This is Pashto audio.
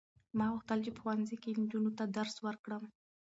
ما غوښتل چې په ښوونځي کې نجونو ته درس ورکړم.